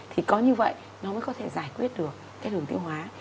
thì có như vậy nó mới có thể giải quyết được cái đường tiêu hóa